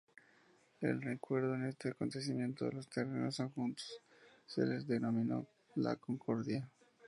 En recuerdo a este acontecimiento, los terrenos adjuntos se les denominó la concordia.